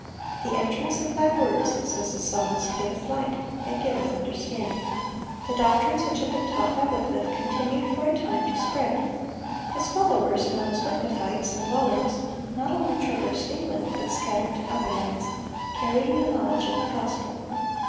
"The entrance of Thy words," says the psalmist, "giveth light; it giveth understanding."(123) The doctrines which had been taught by Wycliffe continued for a time to spread; his followers, known as Wycliffites and Lollards, not only traversed England, but scattered to other lands, carrying the knowledge of the gospel.